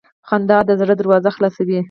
• خندا د زړه دروازه خلاصوي.